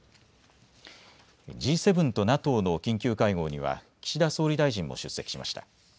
Ｇ７とＮＡＴＯの緊急会合には岸田総理大臣も出席しました。